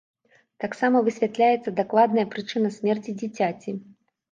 Таксама высвятляецца дакладная прычына смерці дзіцяці.